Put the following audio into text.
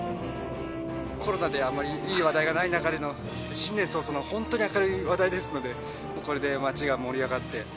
コロナであまりいい話題がない中での、新年早々の本当に明るい話題ですので、これで町が盛り上がって。